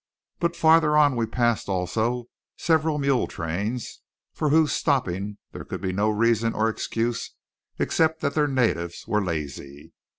But farther on we passed also several mule trains, for whose stopping there could be no reason or excuse except that their natives were lazy.